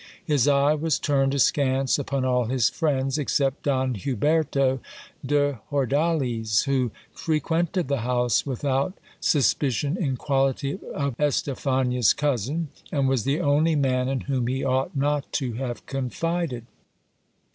His eye was turned askance upon all his friends, except Don Huberto de Hordales, who frequented the house without suspicion in quality of Estephania's cousin, and was the only man in whom he ought not to have confided.